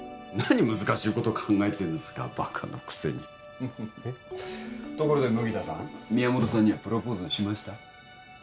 何難しいこと考えてんですかバカのくせにえっところで麦田さん宮本さんにはプロポーズはしました？